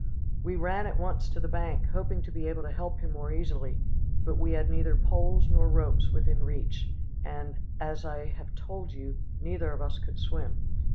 We ran at once to the bank, hoping to be able to help him more easily; but we had neither poles nor ropes within reach, and, as I have told you, neither of us could swim.